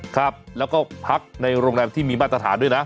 ครับแล้วก็พักในโรงแรมที่มีมาตรฐานด้วยนะ